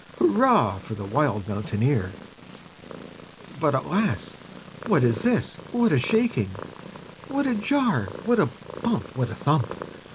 Hurrah, for the wild mountaineer! But, alas! what is this? what a shaking! What a jar! what a bump! what a thump!